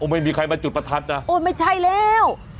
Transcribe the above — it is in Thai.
ไม่มีใครมาจุดประทัดนะโอ้ยไม่ใช่แล้ว